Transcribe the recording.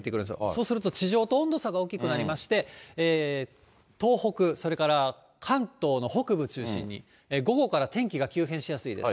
そうすると、地上との温度差が大きくなりまして、東北、それから関東の北部中心に、午後から天気が急変しやすいです。